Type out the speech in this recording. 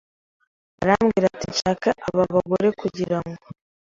arambwira ati nshatse aba bagore kugirango